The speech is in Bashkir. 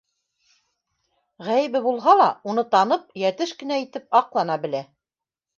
Ғәйебе булһа ла, уны танып, йәтеш кенә итеп аҡлана белә.